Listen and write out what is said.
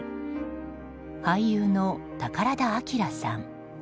俳優の宝田明さん。